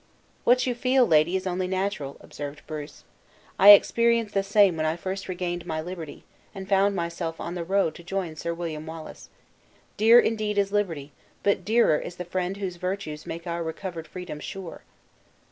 "What you feel, lady, is only natural," observed Bruce; "I experienced the same when I first regained my liberty, and found myself on the road to join Sir William Wallace. Dear, indeed, is liberty; but dearer is the friend whose virtues make our recovered freedom sure."